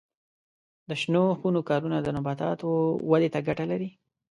د شنو خونو کارونه د نباتاتو ودې ته ګټه لري.